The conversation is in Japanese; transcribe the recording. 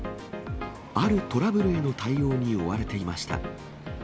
あるトラブルへの対応に追われていました。